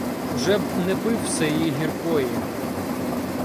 Уже б не пив сеї гіркої